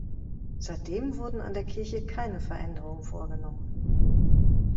Seitdem wurden an der Kirche keine Veränderungen vorgenommen.